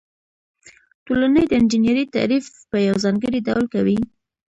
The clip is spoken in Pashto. ټولنې د انجنیری تعریف په یو ځانګړي ډول کوي.